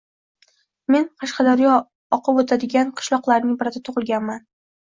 Men Qashqadaryo oqib o’tadigan qishloqlarning birida tug’ilganman.